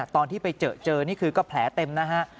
ตอนที่ไปเจอเจอนี่คือก็แผลเต็มนะฮะ